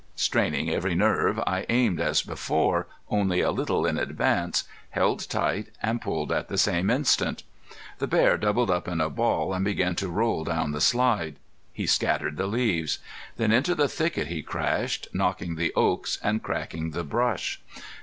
Straining every nerve I aimed as before, only a little in advance, held tight and pulled at the same instant. The bear doubled up in a ball and began to roll down the slide. He scattered the leaves. Then into the thicket he crashed, knocking the oaks, and cracking the brush.